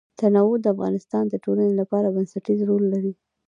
تنوع د افغانستان د ټولنې لپاره بنسټيز رول لري.